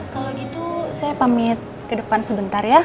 kalau gitu saya pamit ke depan sebentar ya